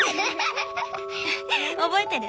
覚えてる？